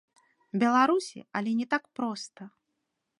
Беларусі, але не так проста.